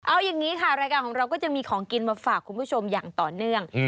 เอาอย่างนี้ค่ะรายการของเราก็จะมีของกินมาฝากคุณผู้ชมอย่างต่อเนื่อง